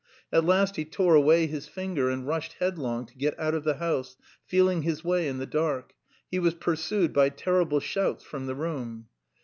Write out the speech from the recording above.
At last he tore away his finger and rushed headlong to get out of the house, feeling his way in the dark. He was pursued by terrible shouts from the room.